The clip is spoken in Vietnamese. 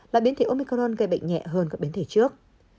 là biến thể omicron gây bệnh nhẹ hơn các biến thể trước